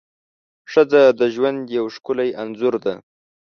ښځه د ژوند یو ښکلی انځور ده.